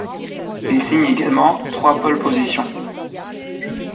Il signe également trois pole positions.